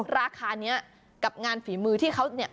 ราคานี้กับงานฝีมือที่เขาเนี่ย